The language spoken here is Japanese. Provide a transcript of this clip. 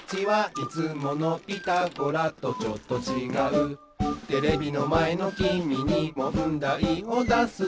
「いつもの『ピタゴラ』とちょっとちがう」「テレビのまえのきみにもんだいをだすぞ」